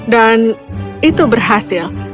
dan itu berhasil